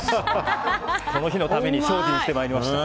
この日のために精進してまいりました。